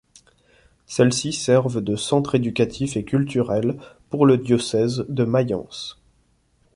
Celles-ci servent de centre éducatif et culturel, pour le diocèse de Mayence.